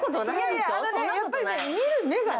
やっぱりね、見る目がね。